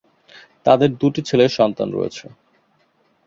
তাদের দুটি ছেলে সন্তান রয়েছে।